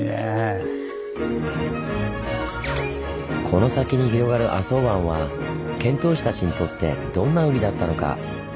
この先に広がる浅茅湾は遣唐使たちにとってどんな海だったのか？